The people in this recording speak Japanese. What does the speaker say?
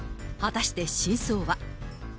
果たして真相は。